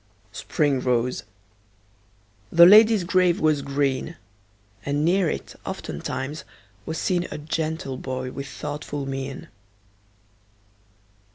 Spring rose; the lady's grave was green; And near it, oftentimes, was seen A gentle boy with thoughtful mien.